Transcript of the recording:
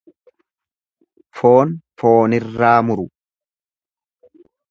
Foon foonirraa muru.